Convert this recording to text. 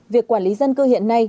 việc quản lý dân cư hiện nay